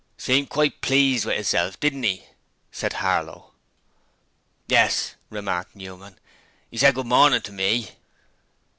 'Seemed quite pleased with 'isself, didn't 'e?' said Harlow. 'Yes,' remarked Newman. ''E said good morning to me!'